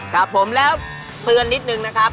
ครับผมแล้วเตือนนิดนึงนะครับ